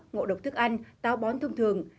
ngộ độc thức ăn táo bón thường thường